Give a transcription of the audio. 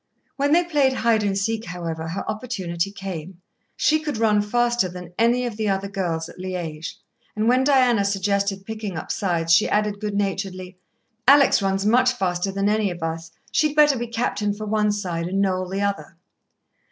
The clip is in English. When they played hide and seek, however, her opportunity came. She could run faster than any of the other girls at Liège, and when Diana suggested picking up sides, she added good naturedly: "Alex runs much faster than any of us she'd better be captain for one side, and Noel the other."